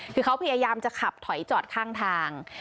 คือเขาพยายามจะขับถอยจอดข้างทาง